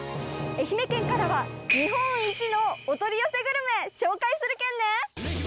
愛媛県からは、日本一のお取り寄せグルメ、紹介するけんね。